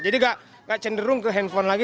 jadi gak cenderung ke handphone lagi